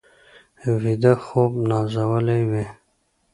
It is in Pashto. ویده خوب نازولي وي